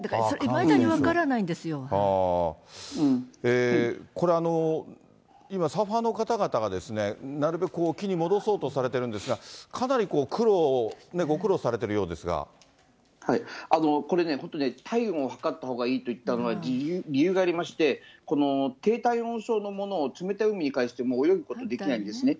だから、これ、今、サーファーの方々が、なるべく沖に戻そうとされてるんですが、かなり苦労をね、これね、本当、体温を計ったほうがいいと言ったのは、理由がありまして、この低体温症のものを冷たい海に帰しても、泳ぐことができないんですね。